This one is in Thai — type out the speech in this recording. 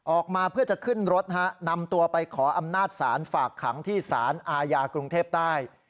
ออกมาเพื่อจะขึ้นรถนำตัวไปขออำนาจศาลฝากขังที่สารอาญากรุงเทพใต้